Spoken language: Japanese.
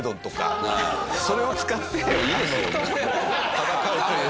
戦うという。